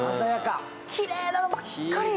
きれいなのばっかり。